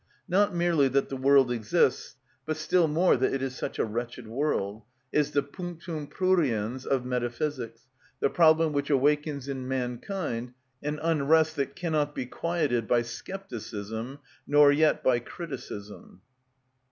Not merely that the world exists, but still more that it is such a wretched world, is the punctum pruriens of metaphysics, the problem which awakens in mankind an unrest that cannot be quieted by scepticism nor yet by criticism.